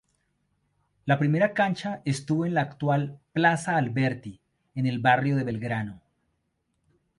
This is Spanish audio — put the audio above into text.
La primera cancha estuvo en la actual "Plaza Alberti", en el barrio de Belgrano.